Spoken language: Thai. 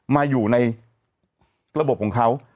มาอยู่ในระบบของเขา